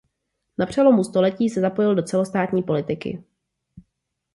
Na přelomu století se zapojil do celostátní politiky.